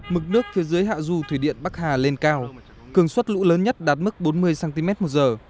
mực nước phía dưới hạ du thủy điện bắc hà lên cao cường suất lũ lớn nhất đạt mức bốn mươi cm một giờ